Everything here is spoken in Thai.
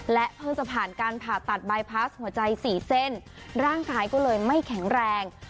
เพิ่งจะผ่านการผ่าตัดบายพาสหัวใจสี่เส้นร่างกายก็เลยไม่แข็งแรง